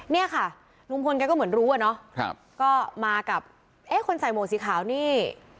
เนี่ยค่ะลุงพลแกก็เหมือนรู้อ่ะเนาะก็มากับเอ๊ะคนใส่หมวกสีขาวนี่